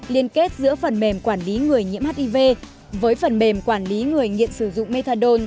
liên kết giữa phần mềm quản lý người nhiễm hiv với phần mềm quản lý người nghiện sử dụng methadone